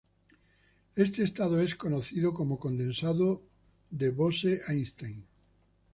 Este estado es conocido como condensado de Bose-Einstein.